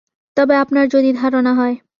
তবে আপনার যদি ধারণা হয়।